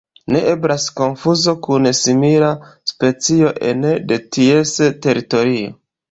Ne eblas konfuzo kun simila specio ene de ties teritorio.